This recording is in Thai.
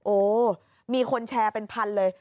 โอ้มีคนแชร์เป็นพันเลย